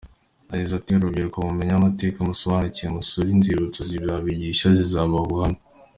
Yagize ati “rubyiruko mumenye amateka musobanukirwe, musure inzibutso zizabigisha, zizabaha ubuhamya.